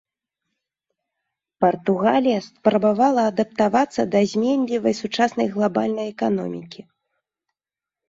Партугалія спрабавала адаптавацца да зменлівай сучаснай глабальнай эканомікі.